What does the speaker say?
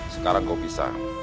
sekarang kau bisa